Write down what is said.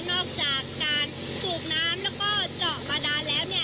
นอกจากการสูบน้ำแล้วก็เจาะบาดานแล้วเนี่ย